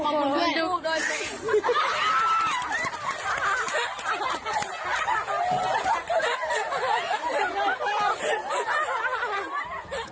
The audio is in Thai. โดยดูโดยเปลี่ยน